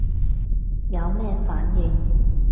有咩反應